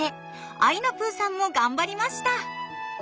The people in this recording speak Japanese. あいなぷぅさんも頑張りました！